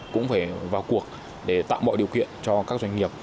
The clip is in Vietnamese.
cũng phải vào cuộc để tạo mọi điều kiện cho các doanh nghiệp